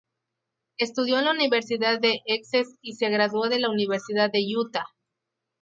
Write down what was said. Estudió en la Universidad de Essex y se graduó de la Universidad de Utah.